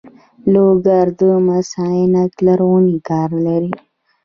لوګر د مس عینک لرغونی کان لري